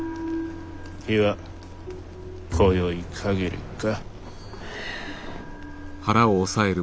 機はこよい限りか。